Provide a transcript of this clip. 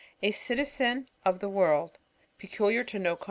A citizen of the world. Peculiar to no country.